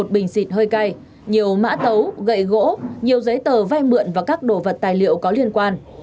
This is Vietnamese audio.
một bình xịt hơi cay nhiều mã tấu gậy gỗ nhiều giấy tờ vay mượn và các đồ vật tài liệu có liên quan